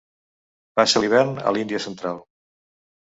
Passa l'hivern a l'Índia central.